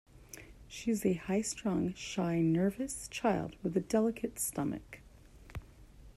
She is a high-strung, shy, nervous child with a delicate stomach.